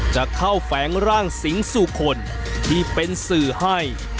จะเข้าแฝงร่างสิงสู่คนที่เป็นสื่อให้